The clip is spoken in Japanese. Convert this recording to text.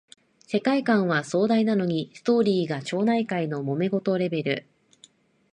世界観は壮大なのにストーリーが町内会のもめ事レベル